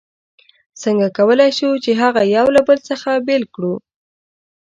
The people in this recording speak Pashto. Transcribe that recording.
څنګه کولای شو چې هغه یو له بل څخه بېل کړو؟